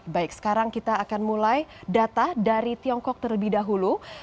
baik sekarang kita akan mulai data dari tiongkok terlebih dahulu